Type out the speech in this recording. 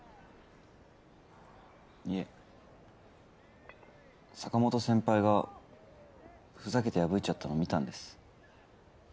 いえ坂本先輩がふざけて破いちゃったの見たんです。